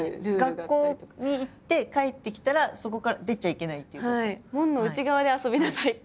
学校に行って帰ってきたらそこから出ちゃいけないっていうこと？